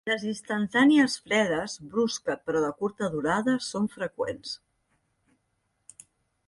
Les instantànies fredes brusca però de curta durada són freqüents.